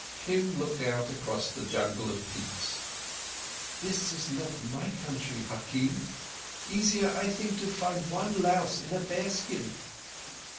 Kim looked out across the jungle of peaks. "This is not my country, hakim. Easier, I think, to find one louse in a bear skin."